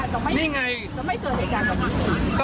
ถ้าคุณรับปากว่าจะไม่เกิดเหตุการณ์ของคุณ